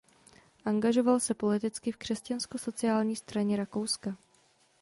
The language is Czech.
Angažoval se politicky v Křesťansko sociální straně Rakouska.